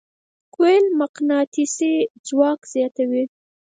کویل مقناطیسي ځواک زیاتوي.